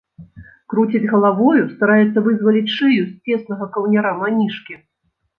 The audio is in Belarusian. Круціць галавою, стараецца вызваліць шыю з цеснага каўняра манішкі.